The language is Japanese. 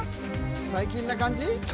最近な感じ？